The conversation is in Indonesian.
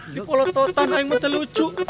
ini polototan yang mence lucu